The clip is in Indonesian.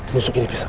nusuk ini pisau